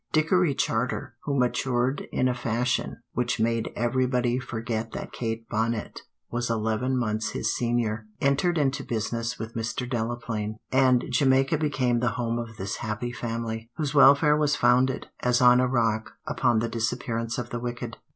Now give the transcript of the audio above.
Dickory Charter, who matured in a fashion which made everybody forget that Kate Bonnet was eleven months his senior, entered into business with Mr. Delaplaine, and Jamaica became the home of this happy family, whose welfare was founded, as on a rock, upon the disappearance of the wicked.